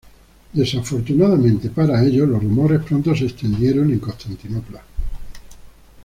Desafortunadamente para ellos, los rumores pronto se extendieron en Constantinopla.